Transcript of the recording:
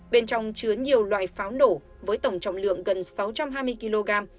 bên trong chứa nhiều loại pháo nổ với tổng trọng lượng gần sáu trăm hai mươi kg